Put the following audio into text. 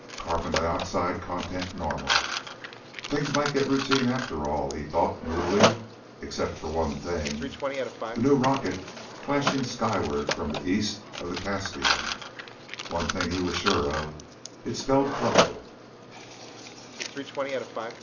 Carbon dioxide content normal. Things might get routine after all, he thought moodily. Except for one thing. The new rocket flashing skyward from east of the Caspian. One thing he was sure of. It spelled trouble.